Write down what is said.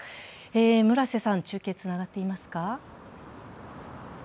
村瀬さん、中継はつながっていますか？